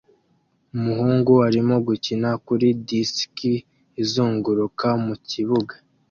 Umuhungu arimo gukina kuri disiki izunguruka mukibuga